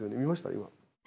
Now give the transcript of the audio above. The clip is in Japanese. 今。